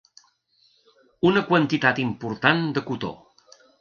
Una quantitat important de cotó.